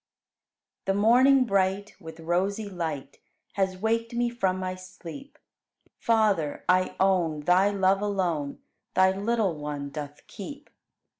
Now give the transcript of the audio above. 2. The morning bright With rosy light Has waked me from my sleep; Father, I own Thy love alone Thy little one doth keep.